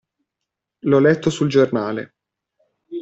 L'ho letto sul giornale.